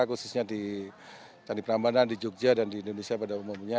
khususnya di candi prambanan di jogja dan di indonesia pada umumnya